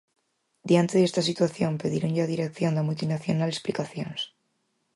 Diante desta situación pedíronlle á dirección da multinacional explicacións.